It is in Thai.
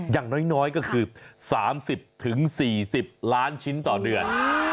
อย่างน้อยก็คือ๓๐๔๐ล้านชิ้นต่อเดือน